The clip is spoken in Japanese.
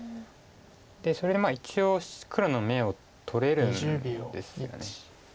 でそれで一応黒の眼を取れるんですよね。